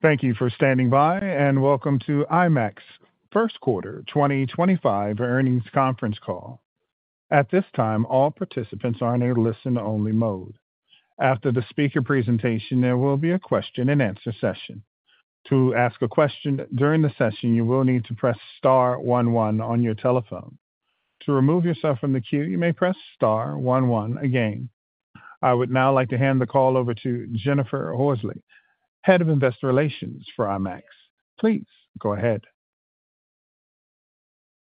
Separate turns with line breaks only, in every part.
Thank you for standing by, and welcome to IMAX Q1 2025 Earnings Conference Call. At this time, all participants are in a listen-only mode. After the speaker presentation, there will be a question-and-answer session. To ask a question during the session, you will need to press Star 11 on your telephone. To remove yourself from the queue, you may press Star 11 again. I would now like to hand the call over to Jennifer Horsley, Head of Investor Relations for IMAX. Please go ahead.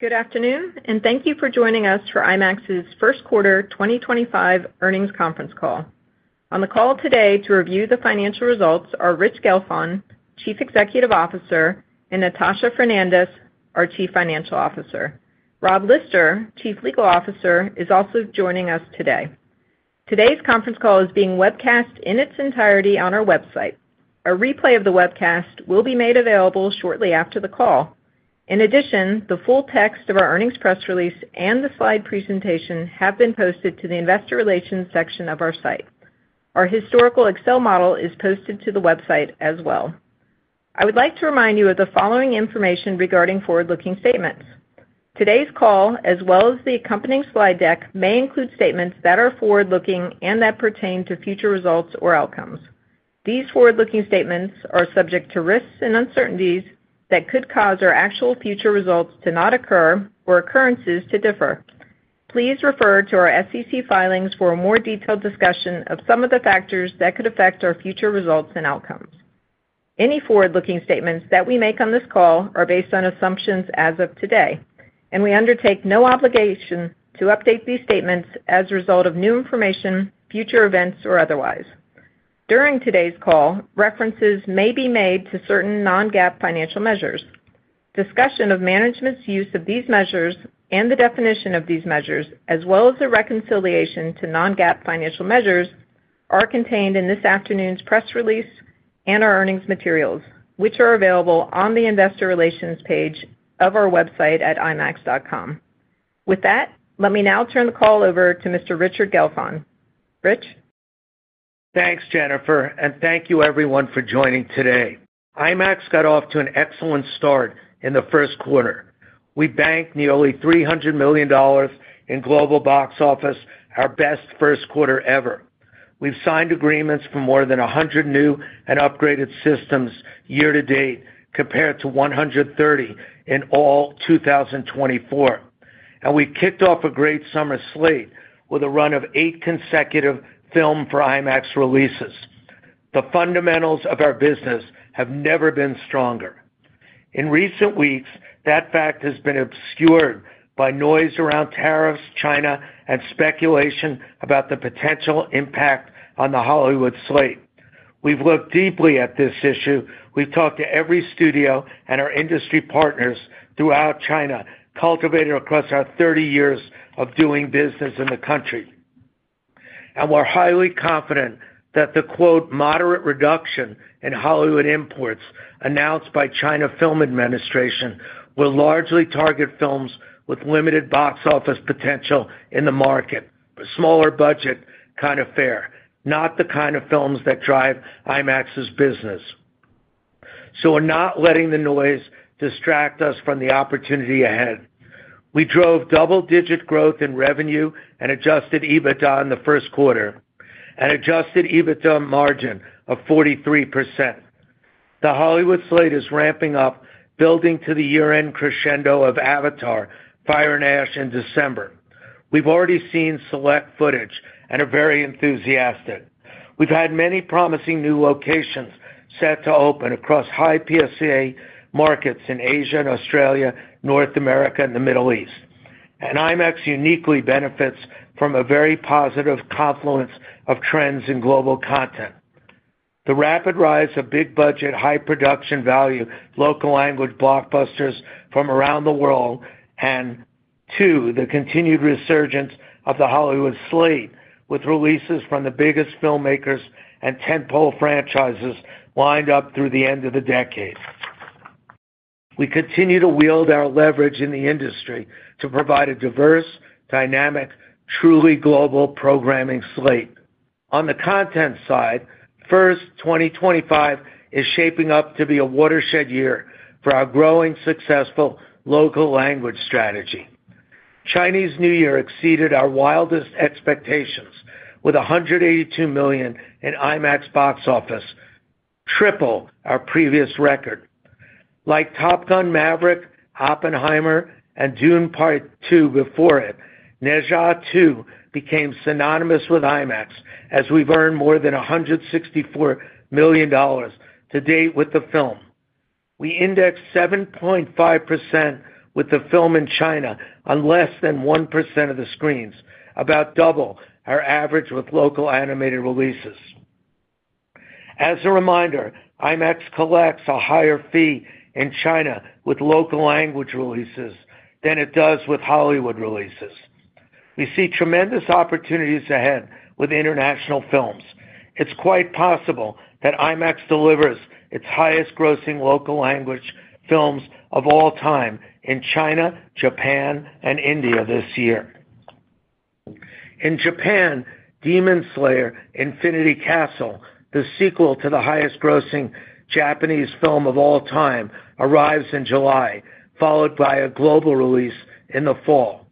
Good afternoon, and thank you for joining us for IMAX's Q1 2025 Earnings Conference Call. On the call today to review the financial results are Rich Gelfond, Chief Executive Officer, and Natasha Fernandes, our Chief Financial Officer. Rob Lister, Chief Legal Officer, is also joining us today. Today's conference call is being webcast in its entirety on our website. A replay of the webcast will be made available shortly after the call. In addition, the full text of our earnings press release and the slide presentation have been posted to the Investor Relations section of our site. Our historical Excel model is posted to the website as well. I would like to remind you of the following information regarding forward-looking statements. Today's call, as well as the accompanying slide deck, may include statements that are forward-looking and that pertain to future results or outcomes. These forward-looking statements are subject to risks and uncertainties that could cause our actual future results to not occur or occurrences to differ. Please refer to our SEC filings for a more detailed discussion of some of the factors that could affect our future results and outcomes. Any forward-looking statements that we make on this call are based on assumptions as of today, and we undertake no obligation to update these statements as a result of new information, future events, or otherwise. During today's call, references may be made to certain non-GAAP financial measures. Discussion of management's use of these measures and the definition of these measures, as well as the reconciliation to non-GAAP financial measures, are contained in this afternoon's press release and our earnings materials, which are available on the Investor Relations page of our website at imax.com. With that, let me now turn the call over to Mr. Richard Gelfond. Rich.
Thanks, Jennifer, and thank you, everyone, for joining today. IMAX got off to an excellent start in the Q1. We banked nearly $300 million in global box office, our best Q1 ever. We've signed agreements for more than 100 new and upgraded systems year to date, compared to 130 in all 2024. We kicked off a great summer slate with a run of eight consecutive Filmed for IMAX releases. The fundamentals of our business have never been stronger. In recent weeks, that fact has been obscured by noise around tariffs, China, and speculation about the potential impact on the Hollywood slate. We've looked deeply at this issue. We've talked to every studio and our industry partners throughout China, cultivated across our 30 years of doing business in the country. We are highly confident that the "moderate reduction" in Hollywood imports announced by China Film Administration will largely target films with limited box office potential in the market, a smaller-budget kind of fare, not the kind of films that drive IMAX's business. We are not letting the noise distract us from the opportunity ahead. We drove double-digit growth in revenue and adjusted EBITDA in the Q1, an adjusted EBITDA margin of 43%. The Hollywood slate is ramping up, building to the year-end crescendo of Avatar: Fire and Ash in December. We have already seen select footage and are very enthusiastic. We have had many promising new locations set to open across high-PSA markets in Asia, Australia, North America, and the Middle East. IMAX uniquely benefits from a very positive confluence of trends in global content: the rapid rise of big-budget, high-production-value, local-language blockbusters from around the world, and, two, the continued resurgence of the Hollywood slate, with releases from the biggest filmmakers and tentpole franchises lined up through the end of the decade. We continue to wield our leverage in the industry to provide a diverse, dynamic, truly global programming slate. On the content side, first, 2025 is shaping up to be a watershed year for our growing successful local-language strategy. Chinese New Year exceeded our wildest expectations with $182 million in IMAX box office, triple our previous record. Like Top Gun: Maverick, Oppenheimer, and Dune: Part Two before it, Ne Zha 2 became synonymous with IMAX as we've earned more than $164 million to date with the film. We indexed 7.5% with the film in China on less than 1% of the screens, about double our average with local animated releases. As a reminder, IMAX collects a higher fee in China with local-language releases than it does with Hollywood releases. We see tremendous opportunities ahead with international films. It is quite possible that IMAX delivers its highest-grossing local-language films of all time in China, Japan, and India this year. In Japan, Demon Slayer: Infinity Castle, the sequel to the highest-grossing Japanese film of all time, arrives in July, followed by a global release in the fall.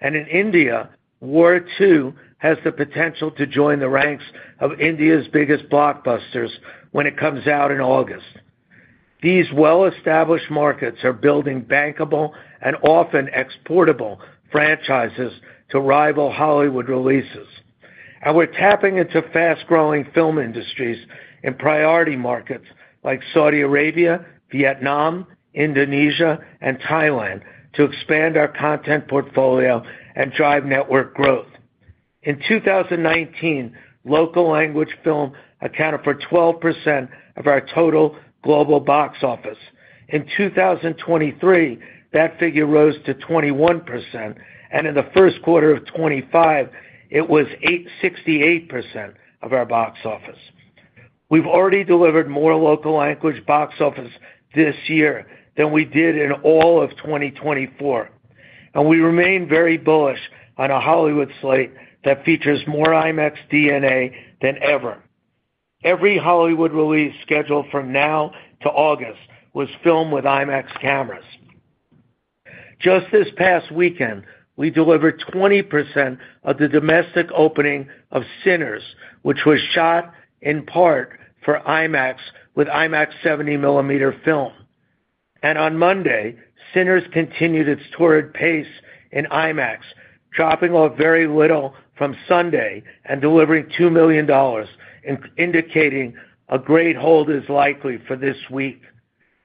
In India, War 2 has the potential to join the ranks of India's biggest blockbusters when it comes out in August. These well-established markets are building bankable and often exportable franchises to rival Hollywood releases. We are tapping into fast-growing film industries in priority markets like Saudi Arabia, Vietnam, Indonesia, and Thailand to expand our content portfolio and drive network growth. In 2019, local-language film accounted for 12% of our total global box office. In 2023, that figure rose to 21%, and in the Q1 of 2025, it was 68% of our box office. We have already delivered more local-language box office this year than we did in all of 2024. We remain very bullish on a Hollywood slate that features more IMAX DNA than ever. Every Hollywood release scheduled from now to August was filmed with IMAX cameras. Just this past weekend, we delivered 20% of the domestic opening of Sinners, which was shot in part for IMAX with IMAX 70mm film. On Monday, Sinners continued its torrid pace in IMAX, dropping off very little from Sunday and delivering $2 million, indicating a great hold is likely for this week.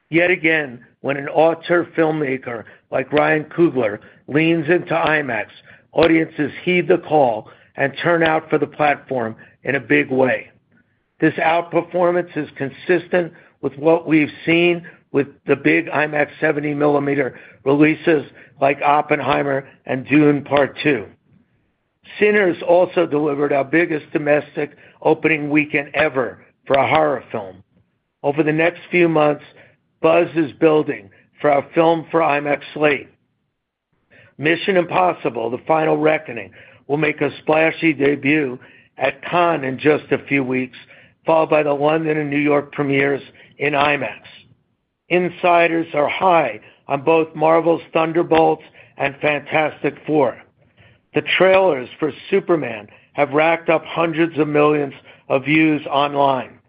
Yet again, when an auteur filmmaker like Ryan Coogler leans into IMAX, audiences heed the call and turn out for the platform in a big way. This outperformance is consistent with what we have seen with the big IMAX 70mm releases like Oppenheimer and Dune: Part Two. Sinners also delivered our biggest domestic opening weekend ever for a horror film. Over the next few months, buzz is building for our Filmed for IMAX slate. Mission: Impossible - The Final Reckoning will make a splashy debut at Cannes in just a few weeks, followed by the London and New York premieres in IMAX. Insiders are high on both Marvel's Thunderbolts and Fantastic Four. The trailers for Superman have racked up hundreds of millions of views online.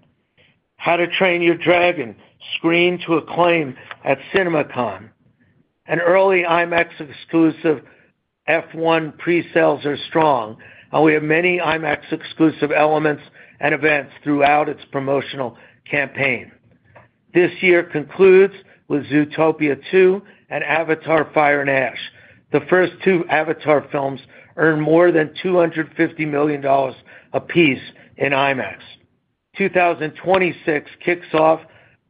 How to Train Your Dragon screen to Acclaim at CinemaCon. An early IMAX-exclusive F1 pre-sales are strong, and we have many IMAX-exclusive elements and events throughout its promotional campaign. This year concludes with Zootopia 2 and Avatar: Fire and Ash. The first two Avatar films earned more than $250 million apiece in IMAX. 2026 kicks off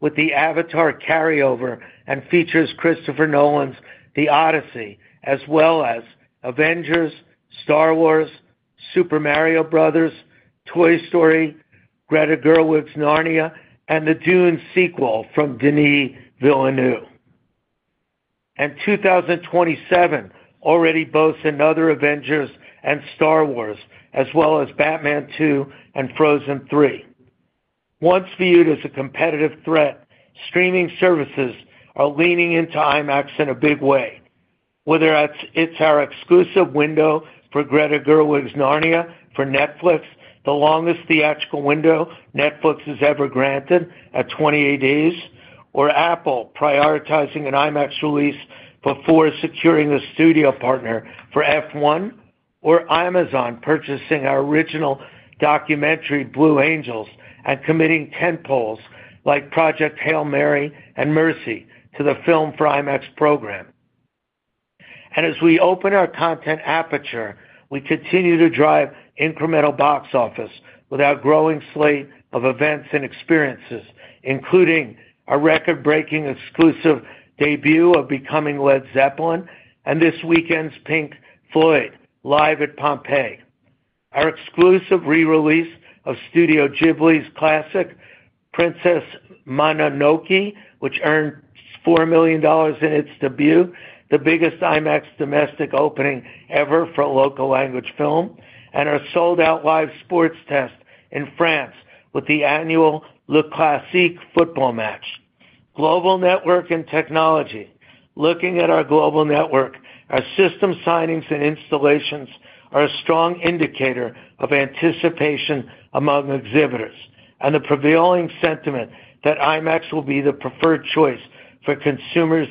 with the Avatar carryover and features Christopher Nolan's The Odyssey, as well as Avengers, Star Wars, Super Mario Bros., Toy Story, Greta Gerwig's Narnia, and the Dune sequel from Denis Villeneuve. 2027 already boasts another Avengers and Star Wars, as well as Batman 2 and Frozen 3. Once viewed as a competitive threat, streaming services are leaning into IMAX in a big way. Whether it's our exclusive window for Greta Gerwig's Narnia for Netflix, the longest theatrical window Netflix has ever granted at 28 days, or Apple prioritizing an IMAX release before securing a studio partner for F1, or Amazon purchasing our original documentary Blue Angels and committing tentpoles like Project Hail Mary and Mercy to the Filmed for IMAX program. As we open our content aperture, we continue to drive incremental box office with our growing slate of events and experiences, including our record-breaking exclusive debut of Becoming Led Zeppelin and this weekend's Pink Floyd, Live at Pompeii. Our exclusive re-release of Studio Ghibli's classic Princess Mononoke, which earned $4 million in its debut, the biggest IMAX domestic opening ever for a local-language film, and our sold-out live sports test in France with the annual Le Classique football match. Global network and technology. Looking at our global network, our system signings and installations are a strong indicator of anticipation among exhibitors and the prevailing sentiment that IMAX will be the preferred choice for consumers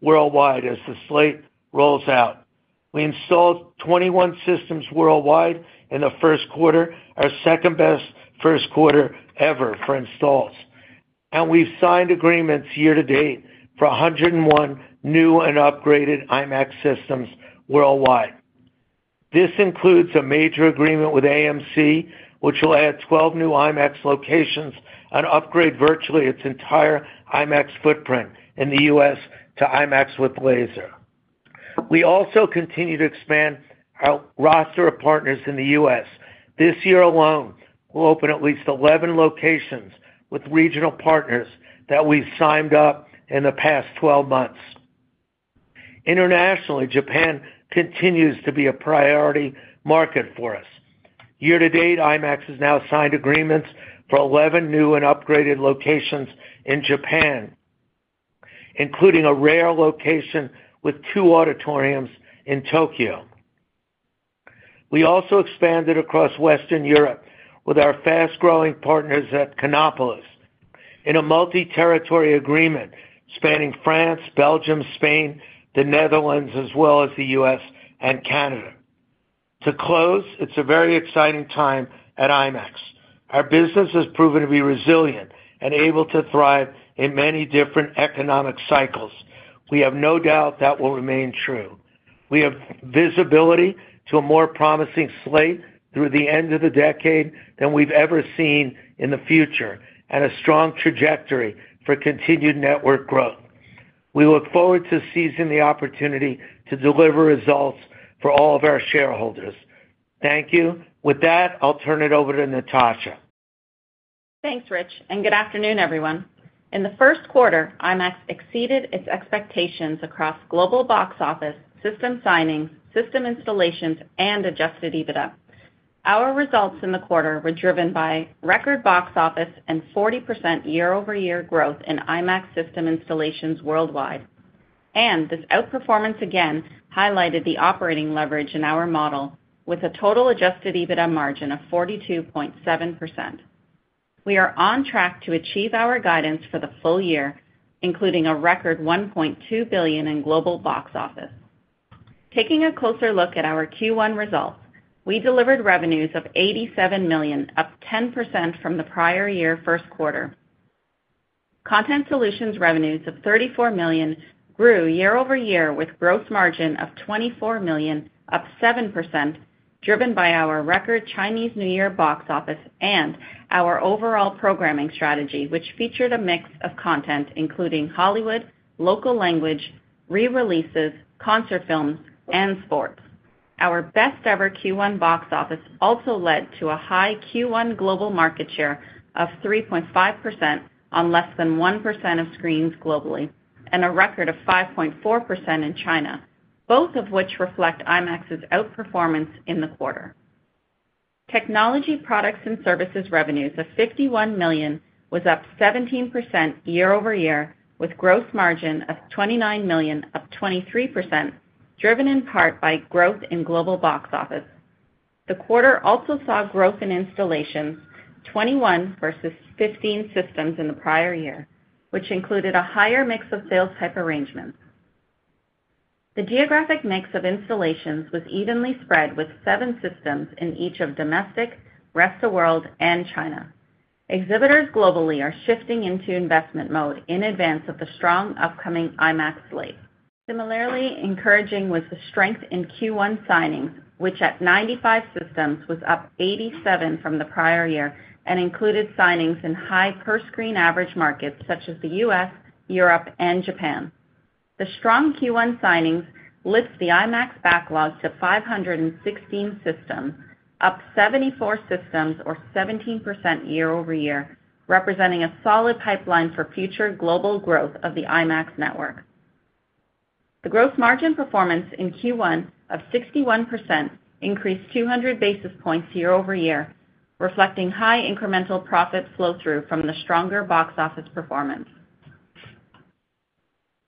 worldwide as the slate rolls out. We installed 21 systems worldwide in the Q1, our second-best Q1 ever for installs. We have signed agreements year to date for 101 new and upgraded IMAX systems worldwide. This includes a major agreement with AMC, which will add 12 new IMAX locations and upgrade virtually its entire IMAX footprint in the US to IMAX with Laser. We also continue to expand our roster of partners in the US. This year alone, we will open at least 11 locations with regional partners that we have signed up in the past 12 months. Internationally, Japan continues to be a priority market for us. Year to date, IMAX has now signed agreements for 11 new and upgraded locations in Japan, including a rare location with two auditoriums in Tokyo. We also expanded across Western Europe with our fast-growing partners at Cinépolis in a multi-territory agreement spanning France, Belgium, Spain, the Netherlands, as well as the US and Canada. To close, it's a very exciting time at IMAX. Our business has proven to be resilient and able to thrive in many different economic cycles. We have no doubt that will remain true. We have visibility to a more promising slate through the end of the decade than we've ever seen in the future and a strong trajectory for continued network growth. We look forward to seizing the opportunity to deliver results for all of our shareholders. Thank you. With that, I'll turn it over to Natasha.
Thanks, Rich. Good afternoon, everyone. In the Q1, IMAX exceeded its expectations across global box office, system signings, system installations, and adjusted EBITDA. Our results in the quarter were driven by record box office and 40% year-over-year growth in IMAX system installations worldwide. This outperformance again highlighted the operating leverage in our model with a total adjusted EBITDA margin of 42.7%. We are on track to achieve our guidance for the full year, including a record $1.2 billion in global box office. Taking a closer look at our Q1 results, we delivered revenues of $87 million, up 10% from the prior year Q1. Content Solutions revenues of $34 million grew year-over-year with gross margin of $24 million, up 7%, driven by our record Chinese New Year box office and our overall programming strategy, which featured a mix of content including Hollywood, local-language, re-releases, concert films, and sports. Our best-ever Q1 box office also led to a high Q1 global market share of 3.5% on less than 1% of screens globally and a record of 5.4% in China, both of which reflect IMAX's outperformance in the quarter. Technology products and services revenues of $51 million was up 17% year-over-year with gross margin of $29 million, up 23%, driven in part by growth in global box office. The quarter also saw growth in installations, 21 versus 15 systems in the prior year, which included a higher mix of sales-type arrangements. The geographic mix of installations was evenly spread with seven systems in each of domestic, rest of world, and China. Exhibitors globally are shifting into investment mode in advance of the strong upcoming IMAX slate. Similarly encouraging was the strength in Q1 signings, which at 95 systems was up 87 from the prior year and included signings in high per-screen average markets such as the US, Europe, and Japan. The strong Q1 signings lift the IMAX backlog to 516 systems, up 74 systems or 17% year-over-year, representing a solid pipeline for future global growth of the IMAX network. The gross margin performance in Q1 of 61% increased 200 basis points year-over-year, reflecting high incremental profit flow-through from the stronger box office performance.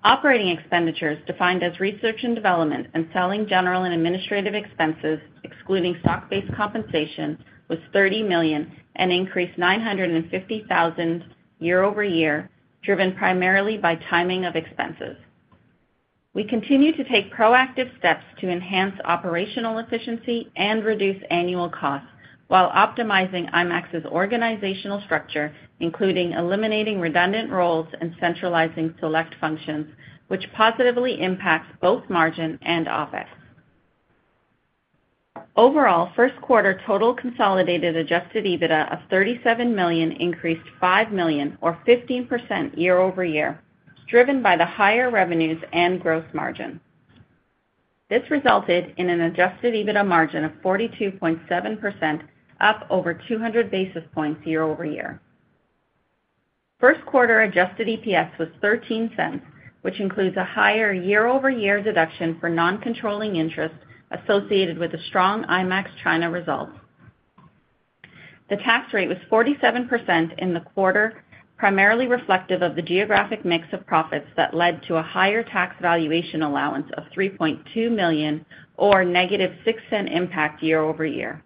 Operating expenditures defined as research and development and selling, general, and administrative expenses, excluding stock-based compensation, was $30 million and increased $950,000 year-over-year, driven primarily by timing of expenses. We continue to take proactive steps to enhance operational efficiency and reduce annual costs while optimizing IMAX's organizational structure, including eliminating redundant roles and centralizing select functions, which positively impacts both margin and OPEX. Overall, Q1 total consolidated adjusted EBITDA of $37 million increased $5 million, or 15% year-over-year, driven by the higher revenues and gross margin. This resulted in an adjusted EBITDA margin of 42.7%, up over 200 basis points year-over-year. Q1 adjusted EPS was $0.13, which includes a higher year-over-year deduction for non-controlling interest associated with the strong IMAX China results. The tax rate was 47% in the quarter, primarily reflective of the geographic mix of profits that led to a higher tax valuation allowance of $3.2 million, or negative $0.06 impact year-over-year.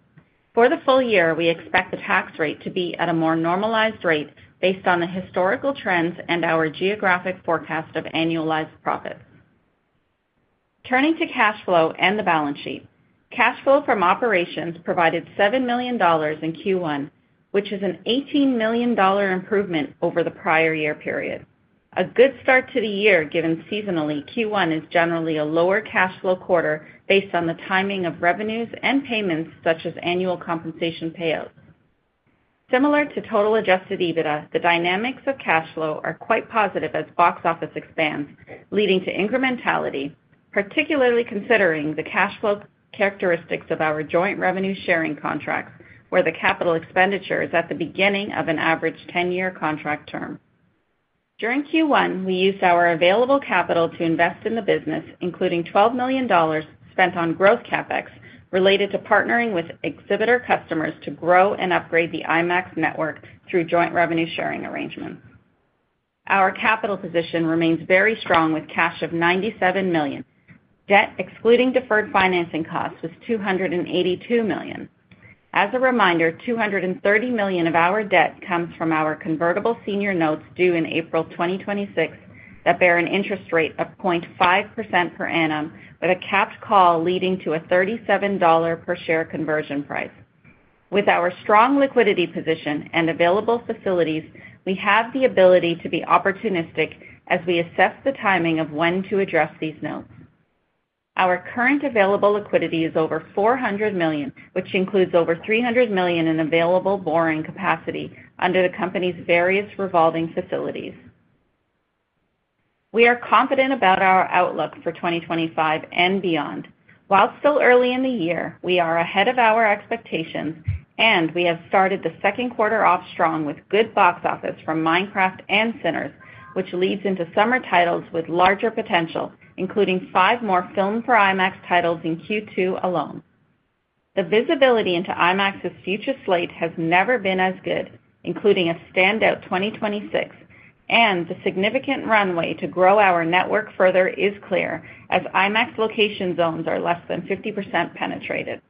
For the full year, we expect the tax rate to be at a more normalized rate based on the historical trends and our geographic forecast of annualized profits. Turning to cash flow and the balance sheet, cash flow from operations provided $7 million in Q1, which is an $18 million improvement over the prior year period. A good start to the year given seasonally Q1 is generally a lower cash flow quarter based on the timing of revenues and payments such as annual compensation payouts. Similar to total adjusted EBITDA, the dynamics of cash flow are quite positive as box office expands, leading to incrementality, particularly considering the cash flow characteristics of our joint revenue-sharing contracts, where the capital expenditure is at the beginning of an average 10-year contract term. During Q1, we used our available capital to invest in the business, including $12 million spent on growth CAPEX related to partnering with exhibitor customers to grow and upgrade the IMAX network through joint revenue-sharing arrangements. Our capital position remains very strong with cash of $97 million. Debt, excluding deferred financing costs, was $282 million. As a reminder, $230 million of our debt comes from our convertible senior notes due in April 2026 that bear an interest rate of 0.5% per annum, with a capped call leading to a $37 per share conversion price. With our strong liquidity position and available facilities, we have the ability to be opportunistic as we assess the timing of when to address these notes. Our current available liquidity is over $400 million, which includes over $300 million in available borrowing capacity under the company's various revolving facilities. We are confident about our outlook for 2025 and beyond. While still early in the year, we are ahead of our expectations, and we have started the Q2 off strong with good box office from Minecraft and Sinners, which leads into summer titles with larger potential, including five more Filmed for IMAX titles in Q2 alone. The visibility into IMAX's future slate has never been as good, including a standout 2026, and the significant runway to grow our network further is clear as IMAX location zones are less than 50% penetrated.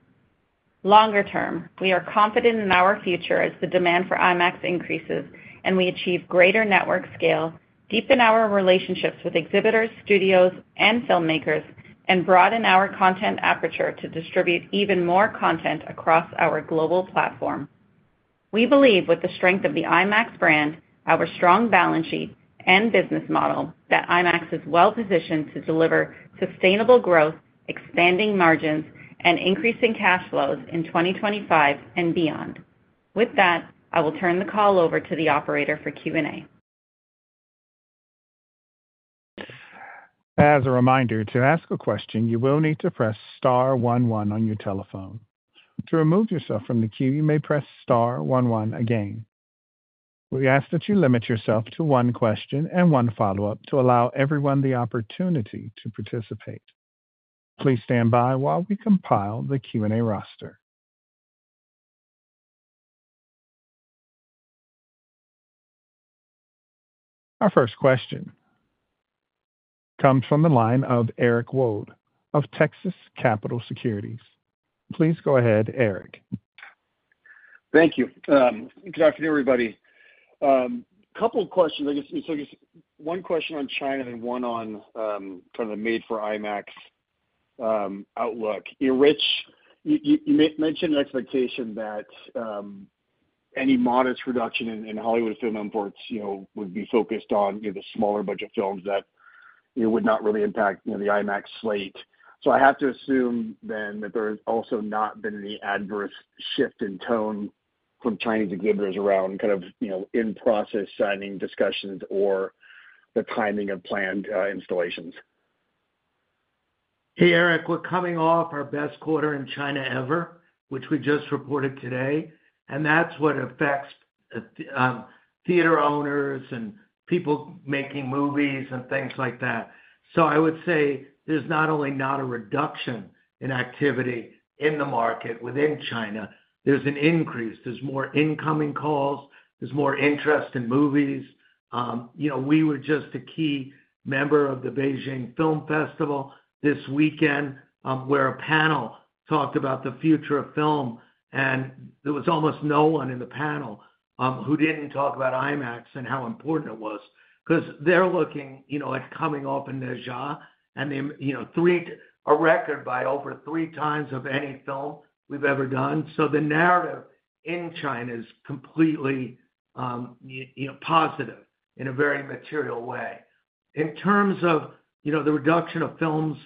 Longer term, we are confident in our future as the demand for IMAX increases and we achieve greater network scale, deepen our relationships with exhibitors, studios, and filmmakers, and broaden our content aperture to distribute even more content across our global platform. We believe with the strength of the IMAX brand, our strong balance sheet, and business model, that IMAX is well-positioned to deliver sustainable growth, expanding margins, and increasing cash flows in 2025 and beyond. With that, I will turn the call over to the operator for Q&A.
As a reminder, to ask a question, you will need to press Star 11 on your telephone. To remove yourself from the queue, you may press Star 11 again. We ask that you limit yourself to one question and one follow-up to allow everyone the opportunity to participate. Please stand by while we compile the Q&A roster. Our first question comes from the line of Eric Wold of Texas Capital Securities. Please go ahead, Eric.
Thank you. Good afternoon, everybody. A couple of questions. I guess one question on China and one on kind of the made-for-IMAX outlook. Rich, you mentioned an expectation that any modest reduction in Hollywood film imports would be focused on the smaller-budget films that would not really impact the IMAX slate. I have to assume then that there has also not been any adverse shift in tone from Chinese exhibitors around kind of in-process signing discussions or the timing of planned installations.
Hey, Eric, we're coming off our best quarter in China ever, which we just reported today. That's what affects theater owners and people making movies and things like that. I would say there's not only not a reduction in activity in the market within China, there's an increase. There's more incoming calls. There's more interest in movies. We were just a key member of the Beijing Film Festival this weekend where a panel talked about the future of film, and there was almost no one in the panel who didn't talk about IMAX and how important it was because they're looking at coming off Ne Zha 2 and a record by over three times of any film we've ever done. The narrative in China is completely positive in a very material way. In terms of the reduction of films,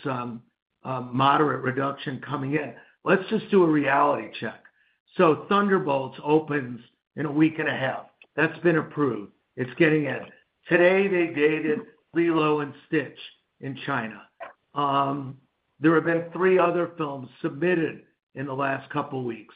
moderate reduction coming in, let's just do a reality check. Thunderbolts opens in a week and a half. That's been approved. It's getting in. Today, they dated Lilo & Stitch in China. There have been three other films submitted in the last couple of weeks.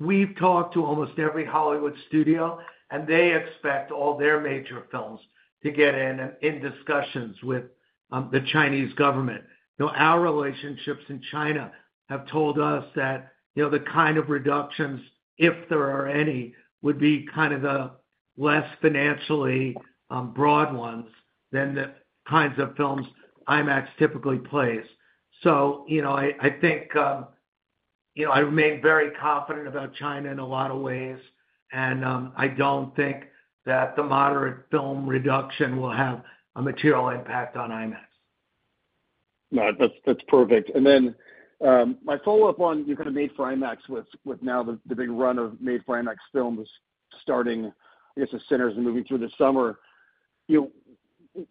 We've talked to almost every Hollywood studio, and they expect all their major films to get in and in discussions with the Chinese government. Our relationships in China have told us that the kind of reductions, if there are any, would be kind of the less financially broad ones than the kinds of films IMAX typically plays. I think I remain very confident about China in a lot of ways, and I don't think that the moderate film reduction will have a material impact on IMAX.
That's perfect. My follow-up on your kind of made-for-IMAX with now the big run of made-for-IMAX films starting, I guess, with Sinners and moving through the summer.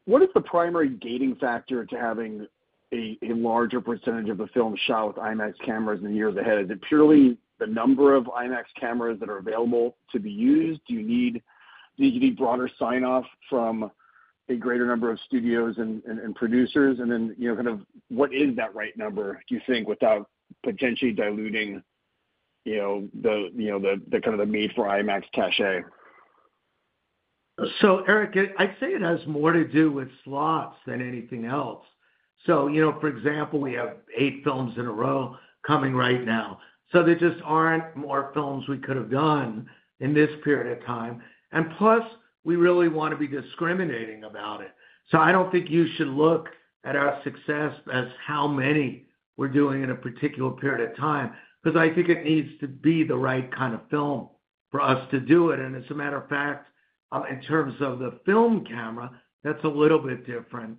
What is the primary gating factor to having a larger percentage of the films shot with IMAX cameras in the years ahead? Is it purely the number of IMAX cameras that are available to be used? Do you need broader sign-off from a greater number of studios and producers? What is that right number, do you think, without potentially diluting the kind of the made-for-IMAX cachet?
Eric, I'd say it has more to do with slots than anything else. For example, we have eight films in a row coming right now. There just aren't more films we could have done in this period of time. Plus, we really want to be discriminating about it. I don't think you should look at our success as how many we're doing in a particular period of time because I think it needs to be the right kind of film for us to do it. As a matter of fact, in terms of the film camera, that's a little bit different.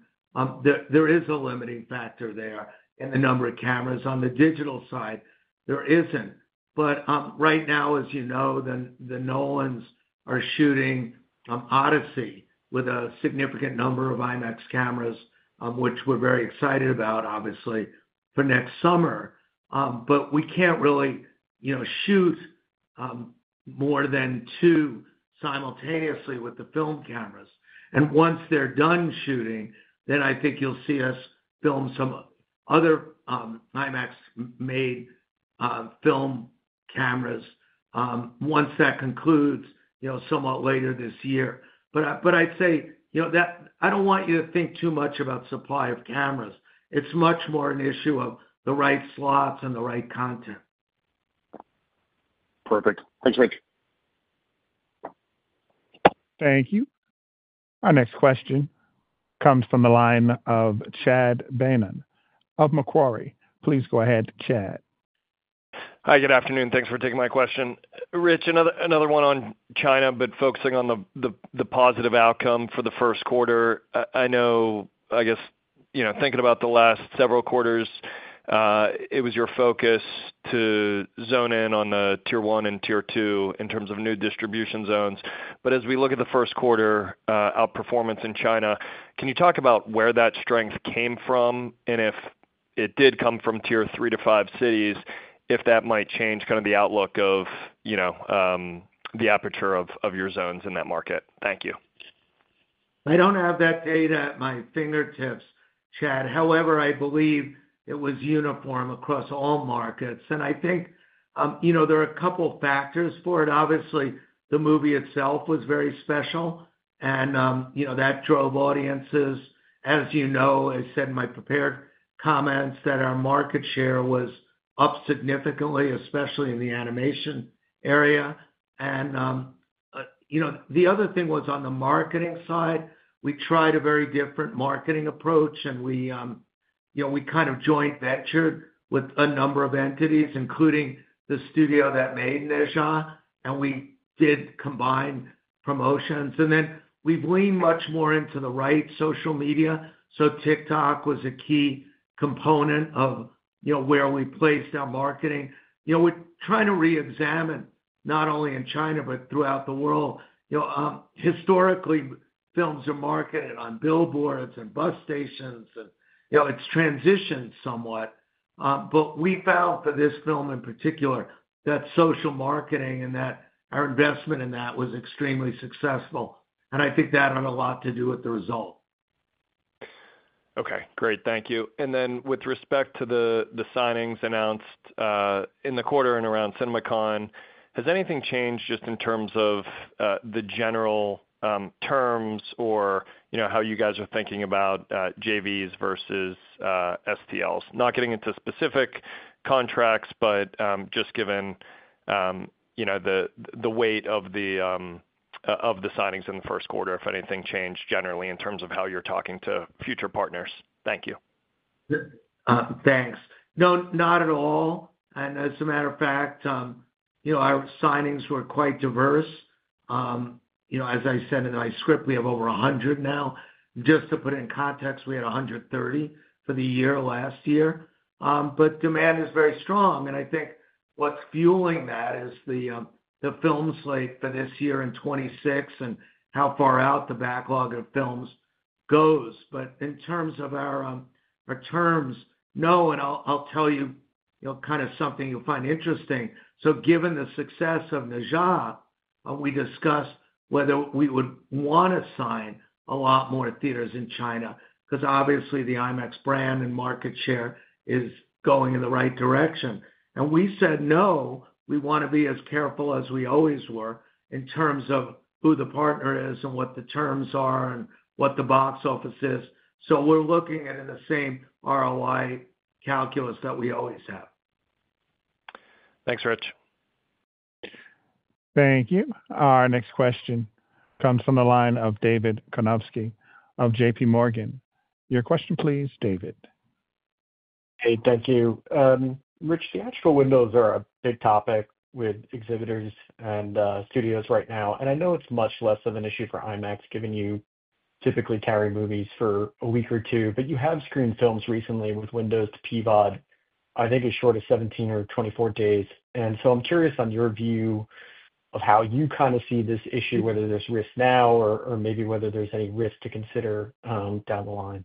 There is a limiting factor there in the number of cameras. On the digital side, there isn't. Right now, as you know, the Nolans are shooting Odyssey with a significant number of IMAX cameras, which we're very excited about, obviously, for next summer. We can't really shoot more than two simultaneously with the film cameras. Once they're done shooting, I think you'll see us film some other IMAX-made film cameras once that concludes somewhat later this year. I'd say I don't want you to think too much about supply of cameras. It's much more an issue of the right slots and the right content.
Perfect. Thanks, Rich.
Thank you. Our next question comes from the line of Chad Beynon of Macquarie. Please go ahead, Chad.
Hi, good afternoon. Thanks for taking my question. Rich, another one on China, but focusing on the positive outcome for the Q1. I know, I guess, thinking about the last several quarters, it was your focus to zone in on the tier one and tier two in terms of new distribution zones. As we look at the Q1 outperformance in China, can you talk about where that strength came from and if it did come from tier three to five cities, if that might change kind of the outlook of the aperture of your zones in that market? Thank you.
I don't have that data at my fingertips, Chad. However, I believe it was uniform across all markets. I think there are a couple of factors for it. Obviously, the movie itself was very special, and that drove audiences. As you know, I said in my prepared comments that our market share was up significantly, especially in the animation area. The other thing was on the marketing side. We tried a very different marketing approach, and we kind of joint-ventured with a number of entities, including the studio that made the Ne Zha, and we did combine promotions on it. We leaned much more into the right social media. TikTok was a key component of where we placed our marketing. We're trying to re-examine not only in China, but throughout the world. Historically, films are marketed on billboards and bus stations, and it's transitioned somewhat. We found for this film in particular that social marketing and that our investment in that was extremely successful. I think that had a lot to do with the result.
Okay. Great. Thank you. With respect to the signings announced in the quarter and around CinemaCon, has anything changed just in terms of the general terms or how you guys are thinking about JVs versus STLs? Not getting into specific contracts, but just given the weight of the signings in the Q1, if anything changed generally in terms of how you're talking to future partners. Thank you.
Thanks. No, not at all. As a matter of fact, our signings were quite diverse. As I said in my script, we have over 100 now. Just to put it in context, we had 130 for the year last year. Demand is very strong. I think what's fueling that is the film slate for this year in 2026 and how far out the backlog of films goes. In terms of our terms, no. I'll tell you kind of something you'll find interesting. Given the success of the Ne Zha, we discussed whether we would want to sign a lot more theaters in China because, obviously, the IMAX brand and market share is going in the right direction. We said, "No, we want to be as careful as we always were in terms of who the partner is and what the terms are and what the box office is." We are looking at the same ROI calculus that we always have.
Thanks, Rich.
Thank you. Our next question comes from the line of David Karnovsky of JPMorgan. Your question, please, David.
Hey, thank you. Rich, the actual windows are a big topic with exhibitors and studios right now. I know it's much less of an issue for IMAX, given you typically carry movies for a week or two, but you have screened films recently with windows to PVOD, I think as short as 17 or 24 days. I'm curious on your view of how you kind of see this issue, whether there's risk now or maybe whether there's any risk to consider down the line.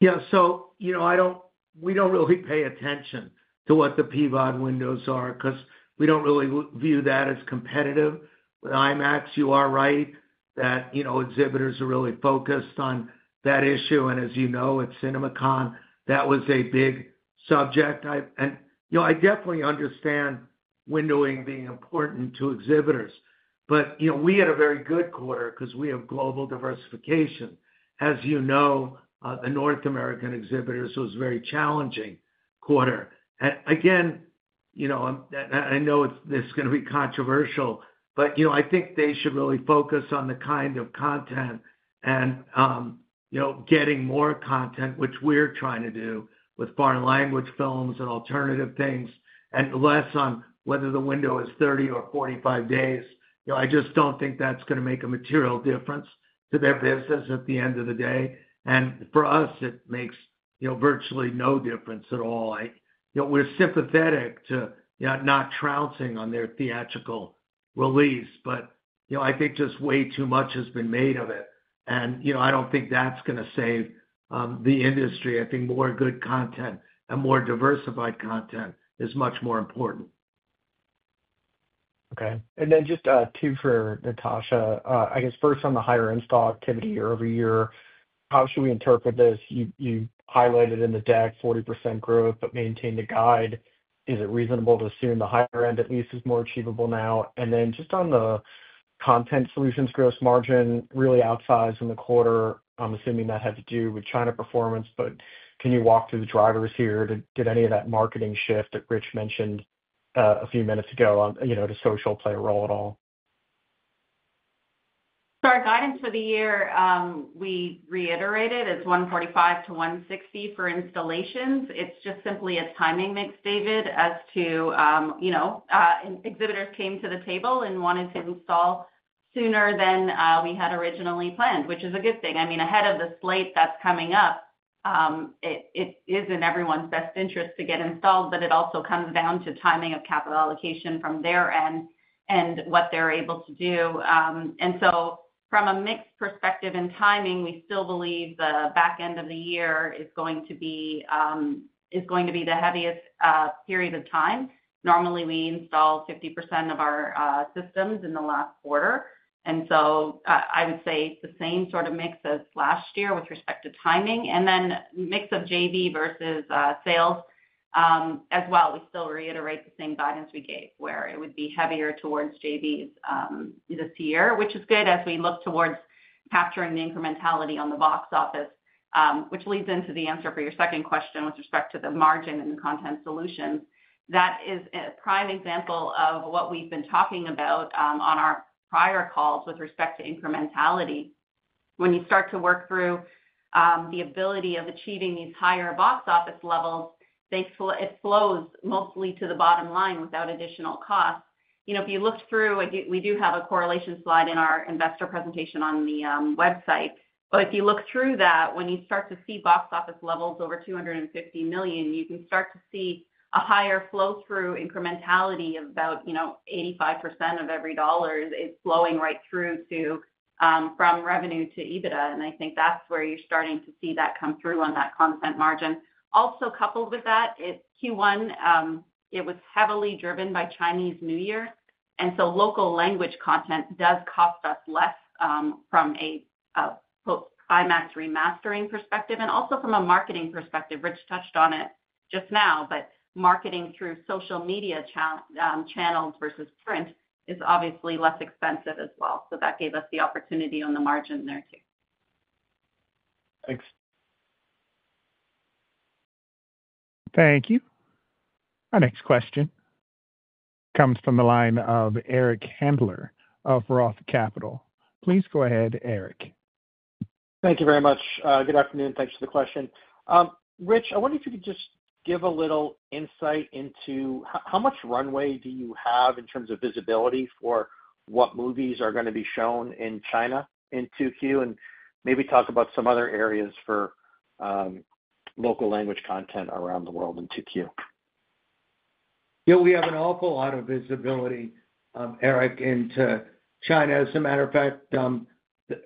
Yeah. We do not really pay attention to what the PVOD windows are because we do not really view that as competitive with IMAX. You are right that exhibitors are really focused on that issue. As you know, at CinemaCon, that was a big subject. I definitely understand windowing being important to exhibitors. We had a very good quarter because we have global diversification. As you know, the North American exhibitors was a very challenging quarter. Again, I know this is going to be controversial, but I think they should really focus on the kind of content and getting more content, which we are trying to do with foreign language films and alternative things, and less on whether the window is 30 or 45 days. I just do not think that is going to make a material difference to their business at the end of the day. For us, it makes virtually no difference at all. We're sympathetic to not trouncing on their theatrical release, but I think just way too much has been made of it. I don't think that's going to save the industry. I think more good content and more diversified content is much more important.
Okay. And then just two for Natasha. I guess first, on the higher-end stock activity year over year, how should we interpret this? You highlighted in the deck 40% growth, but maintain the guide. Is it reasonable to assume the higher end at least is more achievable now? Just on the content solutions gross margin, really outsized in the quarter, I'm assuming that had to do with China performance. Can you walk through the drivers here? Did any of that marketing shift that Rich mentioned a few minutes ago to social play a role at all?
For our guidance for the year, we reiterated it's 145 to 160 for installations. It's just simply a timing mix, David, as to exhibitors came to the table and wanted to install sooner than we had originally planned, which is a good thing. I mean, ahead of the slate that's coming up, it is in everyone's best interest to get installed, but it also comes down to timing of capital allocation from their end and what they're able to do. From a mixed perspective and timing, we still believe the back end of the year is going to be the heaviest period of time. Normally, we install 50% of our systems in the last quarter. I would say the same sort of mix as last year with respect to timing. Then mix of JV versus sales as well. We still reiterate the same guidance we gave where it would be heavier towards JVs this year, which is good as we look towards capturing the incrementality on the box office, which leads into the answer for your second question with respect to the margin and the content solutions. That is a prime example of what we've been talking about on our prior calls with respect to incrementality. When you start to work through the ability of achieving these higher box office levels, it flows mostly to the bottom line without additional costs. If you look through, we do have a correlation slide in our investor presentation on the website. If you look through that, when you start to see box office levels over $250 million, you can start to see a higher flow-through incrementality of about 85% of every dollar is flowing right through from revenue to EBITDA. I think that's where you're starting to see that come through on that content margin. Also, coupled with that, Q1, it was heavily driven by Chinese New Year. Local language content does cost us less from an IMAX remastering perspective and also from a marketing perspective. Rich touched on it just now, but marketing through social media channels versus print is obviously less expensive as well. That gave us the opportunity on the margin there too.
Thanks.
Thank you. Our next question comes from the line of Eric Handler of Roth Capital. Please go ahead, Eric.
Thank you very much. Good afternoon. Thanks for the question. Rich, I wonder if you could just give a little insight into how much runway do you have in terms of visibility for what movies are going to be shown in China in Tokyo and maybe talk about some other areas for local language content around the world in Tokyo?
Yeah, we have an awful lot of visibility, Eric, into China. As a matter of fact,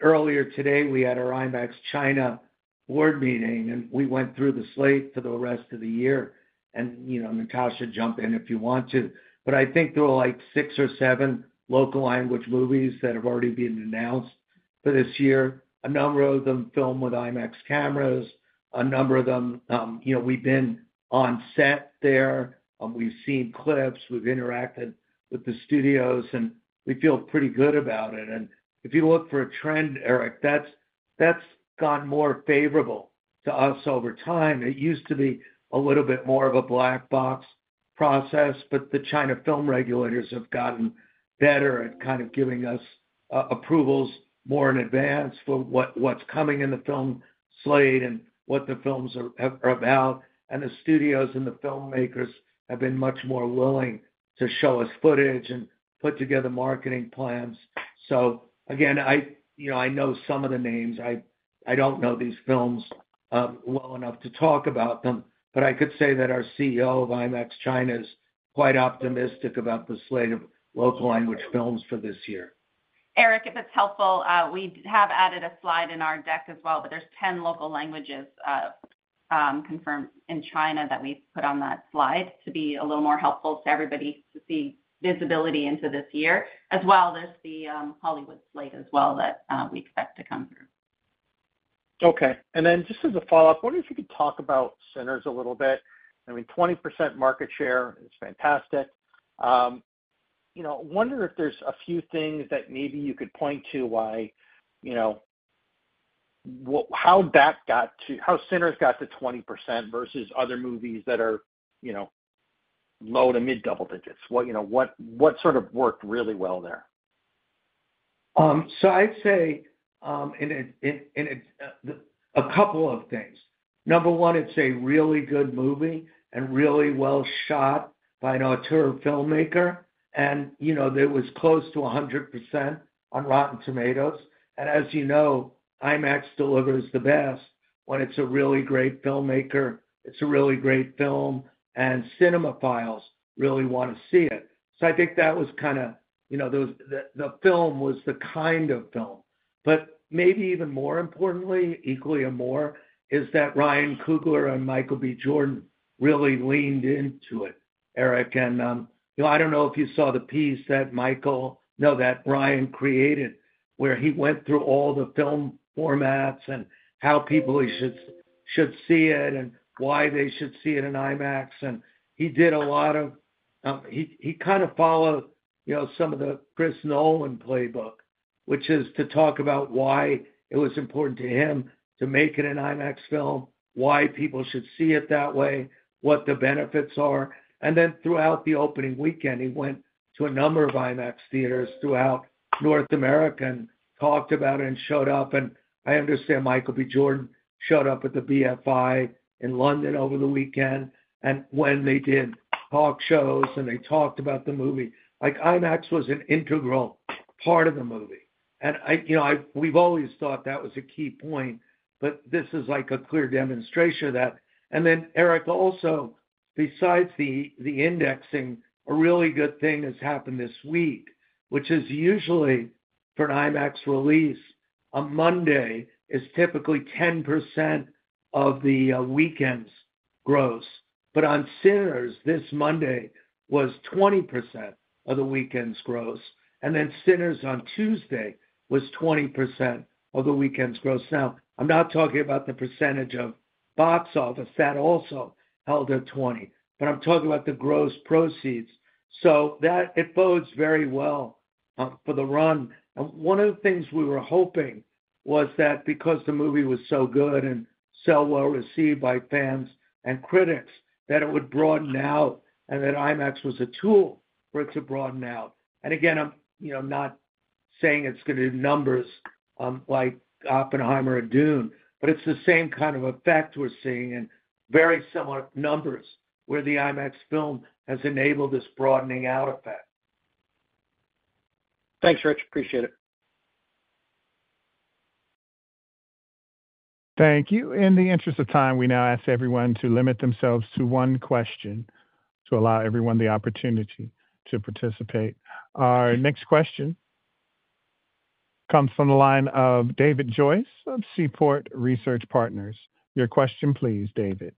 earlier today, we had our IMAX China board meeting, and we went through the slate for the rest of the year. Natasha can jump in if you want to. I think there are like six or seven local language movies that have already been announced for this year. A number of them filmed with IMAX cameras. A number of them, we've been on set there. We've seen clips. We've interacted with the studios, and we feel pretty good about it. If you look for a trend, Eric, that's gotten more favorable to us over time. It used to be a little bit more of a black box process, but the China film regulators have gotten better at kind of giving us approvals more in advance for what's coming in the film slate and what the films are about. The studios and the filmmakers have been much more willing to show us footage and put together marketing plans. I know some of the names. I don't know these films well enough to talk about them, but I could say that our CEO of IMAX China is quite optimistic about the slate of local language films for this year.
Eric, if it's helpful, we have added a slide in our deck as well, but there's 10 local languages confirmed in China that we've put on that slide to be a little more helpful to everybody to see visibility into this year. As well, there's the Hollywood slate as well that we expect to come through.
Okay. Just as a follow-up, I wonder if you could talk about Sinners a little bit. I mean, 20% market share is fantastic. I wonder if there's a few things that maybe you could point to how Sinners got to 20% versus other movies that are low to mid-double digits. What sort of worked really well there?
I'd say a couple of things. Number one, it's a really good movie and really well shot by an auteur filmmaker. It was close to 100% on Rotten Tomatoes. As you know, IMAX delivers the best when it's a really great filmmaker. It's a really great film, and Cinema Files really want to see it. I think that was kind of the film was the kind of film. Maybe even more importantly, equally or more, is that Ryan Coogler and Michael B. Jordan really leaned into it, Eric. I don't know if you saw the piece that Michael, no, that Ryan created where he went through all the film formats and how people should see it and why they should see it in IMAX. He did a lot of he kind of followed some of the Chris Nolan playbook, which is to talk about why it was important to him to make it an IMAX film, why people should see it that way, what the benefits are. Throughout the opening weekend, he went to a number of IMAX theaters throughout North America and talked about it and showed up. I understand Michael B. Jordan showed up at the BFI in London over the weekend. When they did talk shows and they talked about the movie, IMAX was an integral part of the movie. We have always thought that was a key point, but this is like a clear demonstration of that. Eric, also, besides the indexing, a really good thing has happened this week, which is usually for an IMAX release on Monday is typically 10% of the weekend's gross. On Sinners, this Monday was 20% of the weekend's gross. Sinners on Tuesday was 20% of the weekend's gross. Now, I'm not talking about the percentage of box office. That also held at 20%. I'm talking about the gross proceeds. It bodes very well for the run. One of the things we were hoping was that because the movie was so good and so well received by fans and critics, it would broaden out and that IMAX was a tool for it to broaden out. I'm not saying it's going to do numbers like Oppenheimer and Dune, but it's the same kind of effect we're seeing in very similar numbers where the IMAX film has enabled this broadening out effect.
Thanks, Rich. Appreciate it.
Thank you. In the interest of time, we now ask everyone to limit themselves to one question to allow everyone the opportunity to participate. Our next question comes from the line of David Joyce of Seaport Research Partners. Your question, please, David.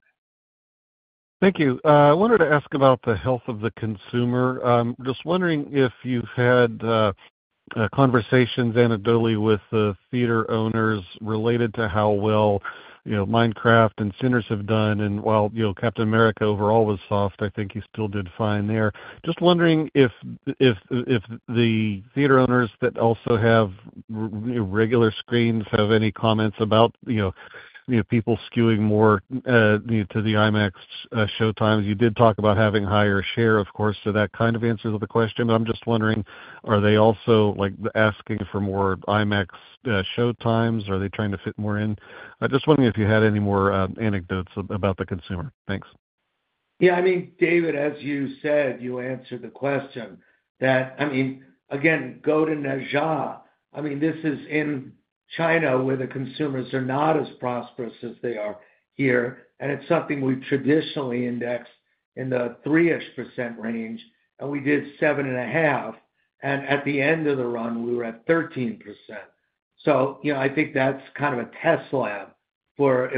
Thank you. I wanted to ask about the health of the consumer. Just wondering if you've had conversations anecdotally with the theater owners related to how well Minecraft and Sinners have done. While Captain America overall was soft, I think he still did fine there. Just wondering if the theater owners that also have regular screens have any comments about people skewing more to the IMAX showtimes. You did talk about having a higher share, of course, to that kind of answer to the question, but I'm just wondering, are they also asking for more IMAX showtimes? Are they trying to fit more in? Just wondering if you had any more anecdotes about the consumer. Thanks.
Yeah. I mean, David, as you said, you answered the question. I mean, again, go to Ne Zha. I mean, this is in China where the consumers are not as prosperous as they are here. And it's something we've traditionally indexed in the 3% range. And we did 7.5%. At the end of the run, we were at 13%. I think that's kind of a test lab for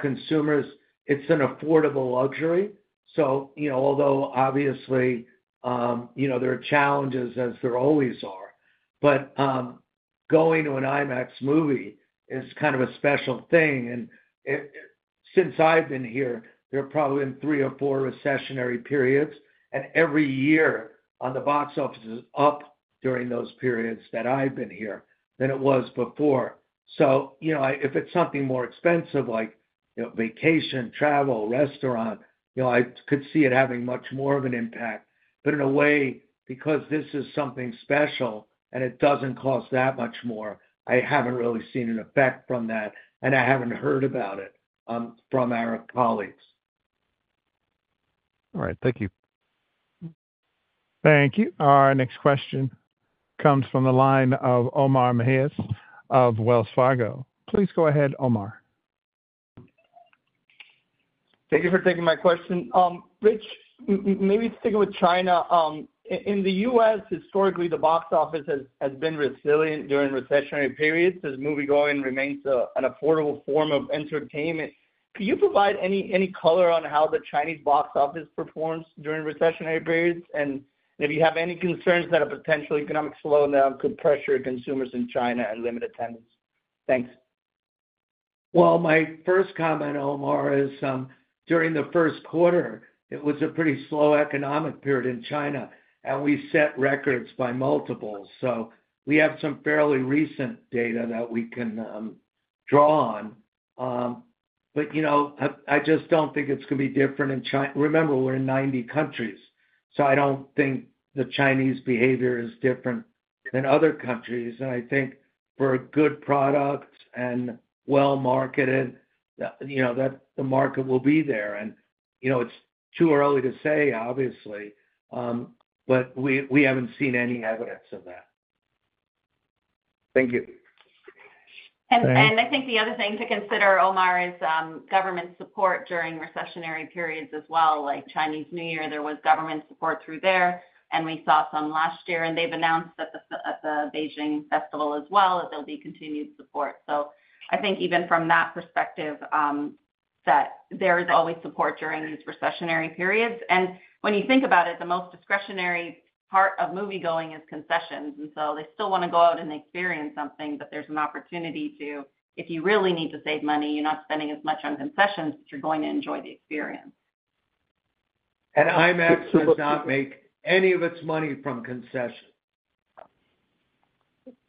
consumers. It's an affordable luxury. Obviously, there are challenges, as there always are, but going to an IMAX movie is kind of a special thing. Since I've been here, there have probably been three or four recessionary periods. Every year on the box office is up during those periods that I've been here than it was before. If it's something more expensive like vacation, travel, restaurant, I could see it having much more of an impact. In a way, because this is something special and it does not cost that much more, I have not really seen an effect from that. I have not heard about it from our colleagues.
All right. Thank you.
Thank you. Our next question comes from the line of Omar Mejias of Wells Fargo. Please go ahead, Omar.
Thank you for taking my question. Rich, maybe sticking with China. In the US, historically, the box office has been resilient during recessionary periods as moviegoing remains an affordable form of entertainment. Could you provide any color on how the Chinese box office performs during recessionary periods? If you have any concerns that a potential economic slowdown could pressure consumers in China and limit attendance? Thanks.
My first comment, Omar, is during the Q1, it was a pretty slow economic period in China. We set records by multiples. We have some fairly recent data that we can draw on. I just do not think it is going to be different in China. Remember, we are in 90 countries. I do not think the Chinese behavior is different than other countries. I think for a good product and well-marketed, the market will be there. It is too early to say, obviously, but we have not seen any evidence of that.
Thank you.
I think the other thing to consider, Omar, is government support during recessionary periods as well. Like Chinese New Year, there was government support through there. We saw some last year. They have announced at the Beijing Festival as well that there will be continued support. I think even from that perspective, there is always support during these recessionary periods. When you think about it, the most discretionary part of moviegoing is concessions. They still want to go out and experience something, but there is an opportunity to, if you really need to save money, you are not spending as much on concessions, but you are going to enjoy the experience.
IMAX does not make any of its money from concessions.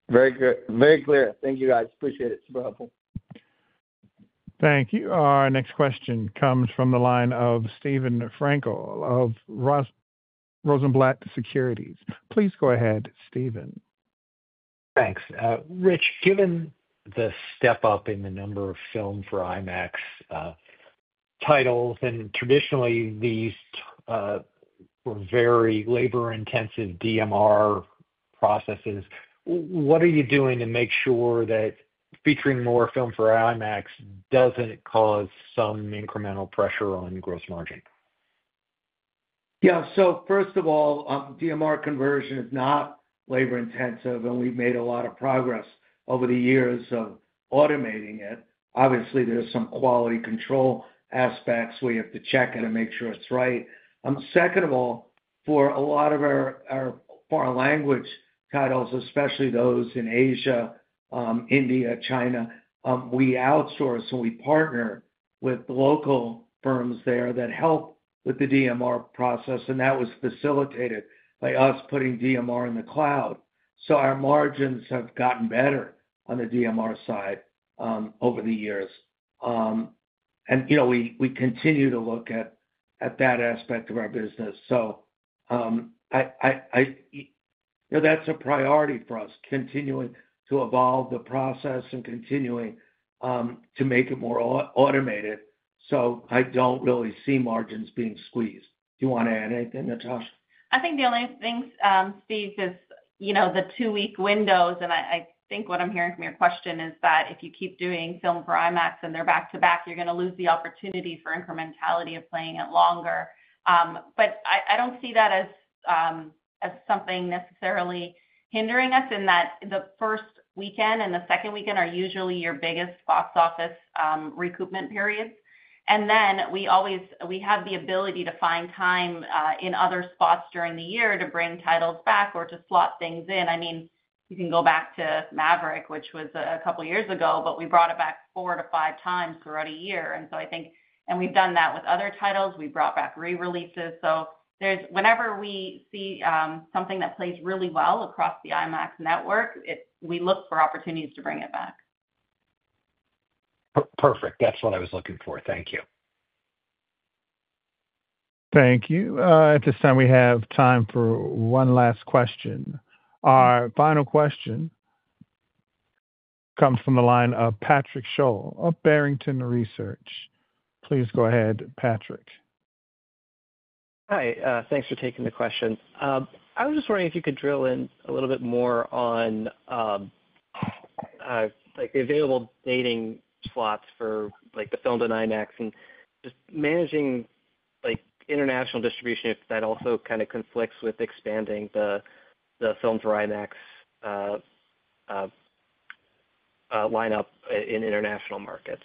Very clear. Thank you, guys. Appreciate it. Super helpful.
Thank you. Our next question comes from the line of Steven Frankel of Rosenblatt Securities. Please go ahead, Steven.
Thanks. Rich, given the step-up in the number of film for IMAX titles, and traditionally, these were very labor-intensive DMR processes, what are you doing to make sure that featuring more film for IMAX doesn't cause some incremental pressure on gross margin?
Yeah. First of all, DMR conversion is not labor-intensive. We've made a lot of progress over the years automating it. Obviously, there are some quality control aspects we have to check and make sure it's right. Second of all, for a lot of our foreign language titles, especially those in Asia, India, China, we outsource and we partner with local firms there that help with the DMR process. That was facilitated by us putting DMR in the cloud. Our margins have gotten better on the DMR side over the years. We continue to look at that aspect of our business. That's a priority for us, continuing to evolve the process and continuing to make it more automated. I don't really see margins being squeezed. Do you want to add anything, Natasha?
I think the only thing, Steve, is the two-week windows. I think what I'm hearing from your question is that if you keep doing film for IMAX and they're back to back, you're going to lose the opportunity for incrementality of playing it longer. I do not see that as something necessarily hindering us in that the first weekend and the second weekend are usually your biggest box office recoupment periods. We have the ability to find time in other spots during the year to bring titles back or to slot things in. I mean, you can go back to Maverick, which was a couple of years ago, but we brought it back four to five times throughout a year. I think, and we've done that with other titles. We brought back re-releases. Whenever we see something that plays really well across the IMAX network, we look for opportunities to bring it back.
Perfect. That's what I was looking for. Thank you.
Thank you. At this time, we have time for one last question. Our final question comes from the line of Patrick Sholl of Barrington Research. Please go ahead, Patrick.
Hi. Thanks for taking the question. I was just wondering if you could drill in a little bit more on the available dating slots for the Filmed for IMAX and just managing international distribution if that also kind of conflicts with expanding the Filmed for IMAX lineup in international markets.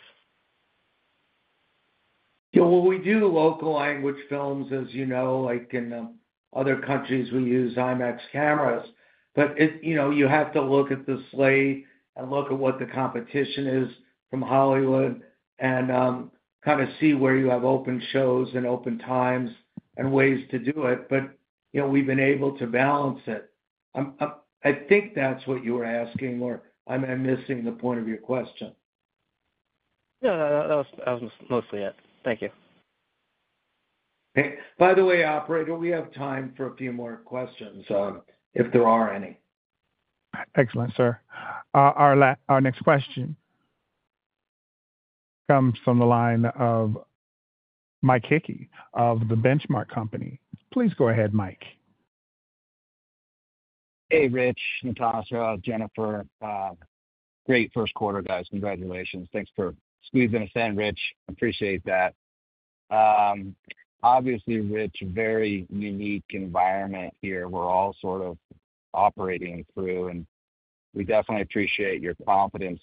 Yeah. We do local language films, as you know. Like in other countries, we use IMAX cameras. You have to look at the slate and look at what the competition is from Hollywood and kind of see where you have open shows and open times and ways to do it. We have been able to balance it. I think that is what you were asking, or am I missing the point of your question?
No, that was mostly it. Thank you.
By the way, operator, we have time for a few more questions if there are any.
Excellent, sir. Our next question comes from the line of Mike Hickey of the Benchmark Company. Please go ahead, Mike.
Hey, Rich, Natasha, Jennifer. Great Q1, guys. Congratulations. Thanks for squeezing us in, Rich. Appreciate that. Obviously, Rich, very unique environment here we're all sort of operating through. We definitely appreciate your confidence.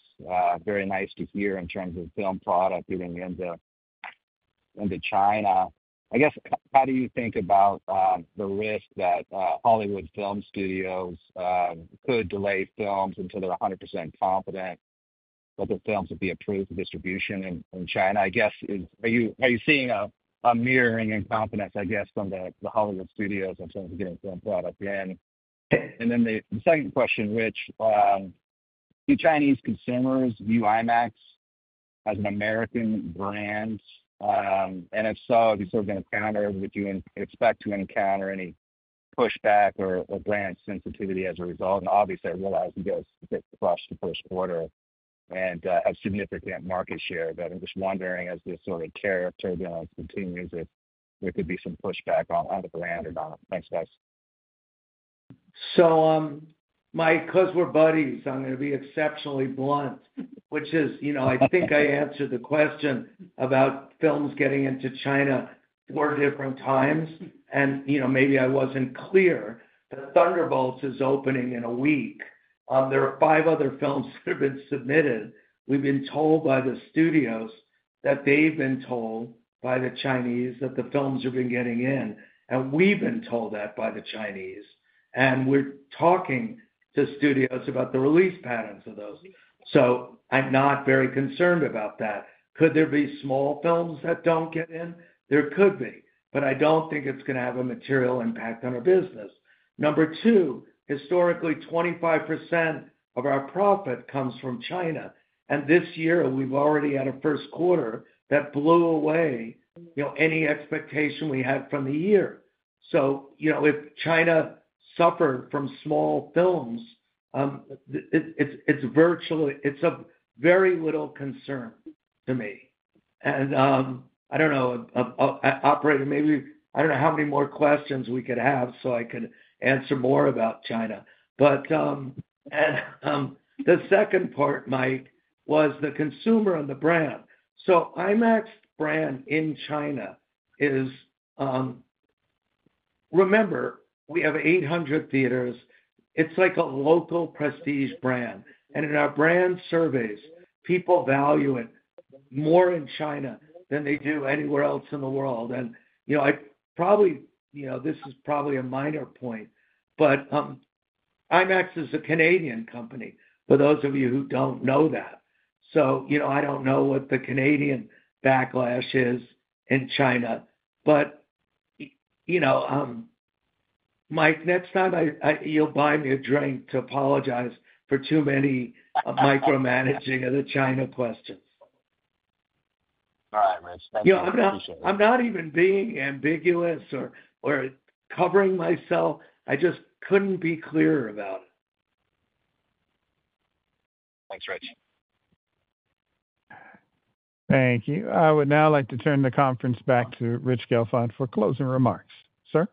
Very nice to hear in terms of film product getting into China. I guess, how do you think about the risk that Hollywood film studios could delay films until they're 100% confident that the films would be approved for distribution in China? I guess, are you seeing a mirroring in confidence, I guess, from the Hollywood studios in terms of getting film product in? The second question, Rich, do Chinese consumers view IMAX as an American brand? If so, if you sort of encountered, would you expect to encounter any pushback or brand sensitivity as a result? Obviously, I realize you guys hit the crush the Q1 and have significant market share. I'm just wondering, as this sort of turbulence continues, if there could be some pushback on the brand or not. Thanks, guys.
My cousins were buddies. I'm going to be exceptionally blunt, which is I think I answered the question about films getting into China four different times. Maybe I wasn't clear. Thunderbolts is opening in a week. There are five other films that have been submitted. We've been told by the studios that they've been told by the Chinese that the films have been getting in. We've been told that by the Chinese. We're talking to studios about the release patterns of those. I'm not very concerned about that. Could there be small films that don't get in? There could be. I don't think it's going to have a material impact on our business. Number two, historically, 25% of our profit comes from China. This year, we've already had a Q1 that blew away any expectation we had from the year. If China suffered from small films, it's a very little concern to me. I don't know, operator, maybe I don't know how many more questions we could have so I could answer more about China. The second part, Mike, was the consumer and the brand. IMAX brand in China is, remember, we have 800 theaters. It's like a local prestige brand. In our brand surveys, people value it more in China than they do anywhere else in the world. This is probably a minor point, but IMAX is a Canadian company, for those of you who don't know that. I don't know what the Canadian backlash is in China. Mike, next time you'll buy me a drink to apologize for too many micromanaging of the China questions.
All right, Rich. Thank you.
Yeah. I'm not even being ambiguous or covering myself. I just couldn't be clearer about it.
Thanks, Rich.
Thank you. I would now like to turn the conference back to Rich Gelfond for closing remarks. Sir?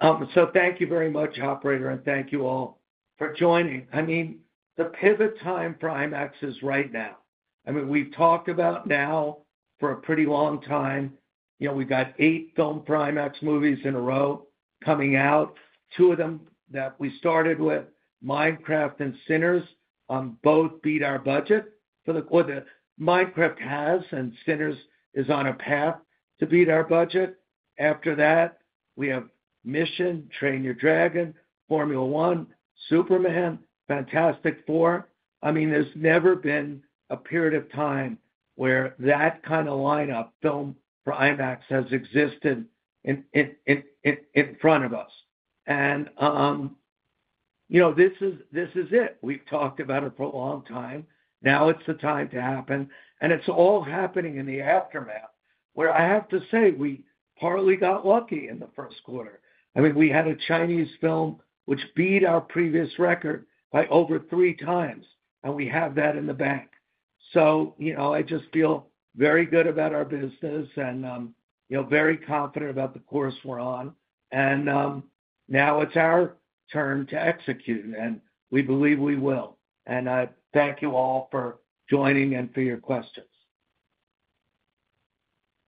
Thank you very much, operator. Thank you all for joining. I mean, the pivot time for IMAX is right now. I mean, we've talked about now for a pretty long time. We've got eight Filmed for IMAX movies in a row coming out. Two of them that we started with, Minecraft and Sinners, both beat our budget. Minecraft has, and Sinners is on a path to beat our budget. After that, we have Mission: Impossible - The Final Reckoning, How to Train Your Dragon, F1, Superman, Fantastic Four. I mean, there's never been a period of time where that kind of lineup Filmed for IMAX has existed in front of us. This is it. We've talked about it for a long time. Now it's the time to happen. It's all happening in the aftermath, where I have to say we partly got lucky in the Q1. I mean, we had a Chinese film which beat our previous record by over three times. We have that in the bank. I just feel very good about our business and very confident about the course we're on. Now it's our turn to execute. We believe we will. I thank you all for joining and for your questions.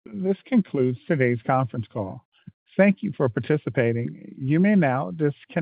This concludes today's conference call. Thank you for participating. You may now disconnect.